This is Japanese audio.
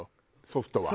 ソフトは。